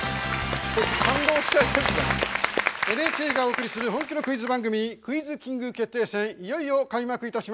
ＮＨＫがお送りする本気のクイズ番組「クイズキング決定戦」いよいよ開幕いたします。